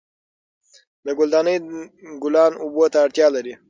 د ګل دانۍ ګلان اوبو ته اړتیا لري.